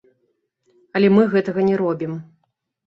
Але мы гэтага не робім.